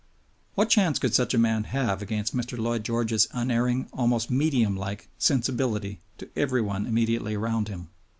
What chance could such a man have against Mr. Lloyd George's unerring, almost medium like, sensibility to every one immediately round him?